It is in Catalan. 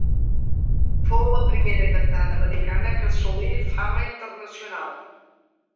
Fou la primera cantant americana que assolí fama internacional.